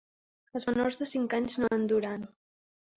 Els menors de cinc anys no en duran.